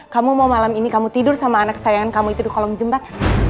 kamu mau malam ini kamu tidur sama anak kesayangan kamu itu di kolong jembatan